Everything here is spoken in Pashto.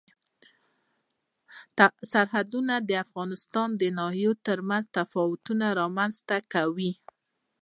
سرحدونه د افغانستان د ناحیو ترمنځ تفاوتونه رامنځ ته کوي.